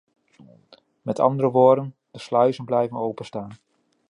Met andere woorden: de sluizen blijven open staan.